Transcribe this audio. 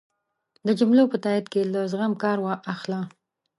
د جملو په تایېد کی له زغم کار اخله